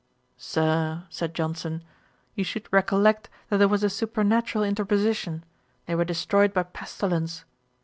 'Sir, (said Johnson,) you should recollect that there was a supernatural interposition; they were destroyed by pestilence.